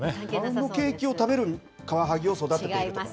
そのケーキを食べるカワハギを育てているとか。